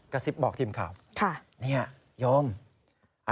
กระซิบบอกทีมข่าวนี่ยมค่ะ